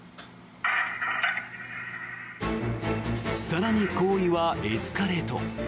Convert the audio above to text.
更に行為はエスカレート。